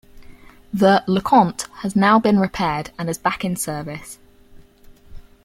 The "LeConte" has now been repaired and is back in service.